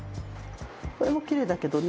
これもきれいだけどね。